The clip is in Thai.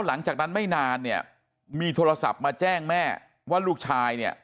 หลังจากนั้นไม่นานเนี่ยมีโทรศัพท์มาแจ้งแม่ว่าลูกชายเนี่ย